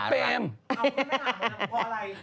การเปลี่ยน